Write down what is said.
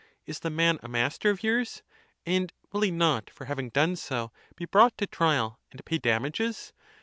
Is the man a master of yours? and will he not, for having done so, be brought to trial, and pay damages?